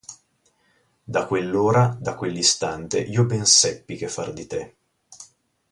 Da quell'ora, da quell'istante io ben seppi che far di te.